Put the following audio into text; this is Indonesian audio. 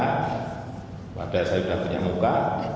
yang ketiga pada saat saya sudah punya muka